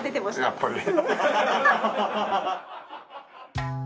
やっぱり。